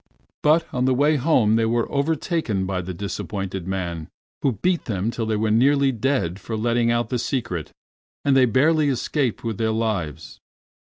But on the way home they were overtaken by the disappointed man, who beat them till they were nearly dead, for letting out the secret, and they barely escaped with their lives.